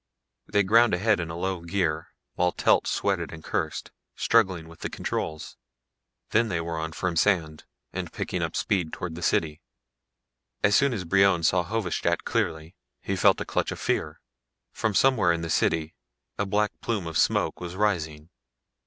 They ground ahead in low gear while Telt sweated and cursed, struggling with the controls. Then they were on firm sand and picking up speed towards the city. As soon as Brion saw Hovedstad clearly he felt a clutch of fear. From somewhere in the city a black plume of smoke was rising.